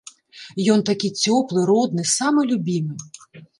Ён такі цёплы, родны, самы любімы.